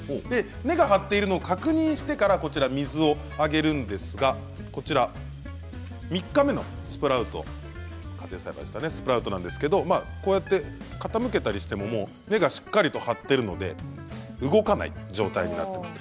根が張ったのを確認してから水をあげるんですが３日目のスプラウトなんですけれどこうやって傾けたりしても根がしっかりと張っているので動かない状態になっています。